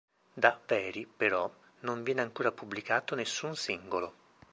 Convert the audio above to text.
Da Very, però, non viene ancora pubblicato nessun singolo.